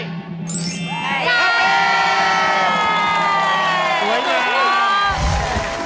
ขอบคุณครับ